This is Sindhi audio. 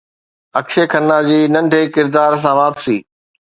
اڪشي کنا جي ننڍي ڪردار سان واپسي